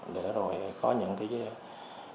để rồi có những cái giải pháp